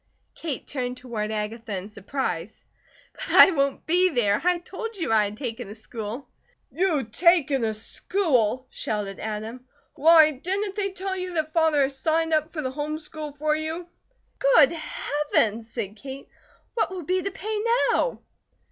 Kate turned toward Agatha in surprise. "But I won't be there! I told you I had taken a school." "You taken a school!" shouted Adam. "Why, didn't they tell you that Father has signed up for the home school for you?" "Good Heavens!" said Kate. "What will be to pay now?"